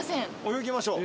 泳ぎましょう。